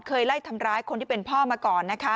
เคยไล่ทำร้ายคนที่เป็นพ่อมาก่อนนะคะ